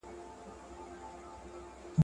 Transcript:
ایا د سترګو د روغتیا لپاره د کبانو خوړل ګټور دي؟